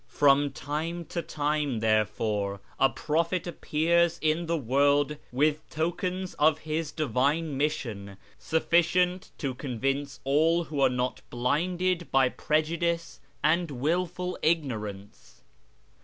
From time to time, therefore, a prophet appears in the world with tokens of his divine mission sufficient to convince all who are not blinded by prejudice and wilful ignorance.